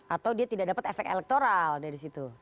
atau dia tidak dapat efek elektoral dari situ